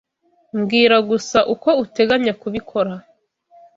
Mbwira gusa uko uteganya kubikora.